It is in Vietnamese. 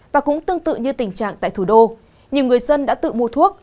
và cũng tương tự như tình trạng tại thủ đô nhiều người dân đã tự mua thuốc